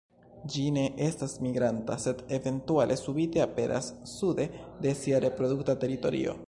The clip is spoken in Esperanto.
Ĝi ne estas migranta, sed eventuale subite aperas sude de sia reprodukta teritorio.